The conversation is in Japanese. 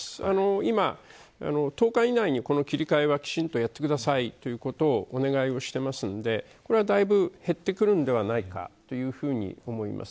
今、１０日以内にこの切り替えはきちんとやってくださいということをお願いしていますのでこれは、だいぶ減ってくるのではないかというふうに思います。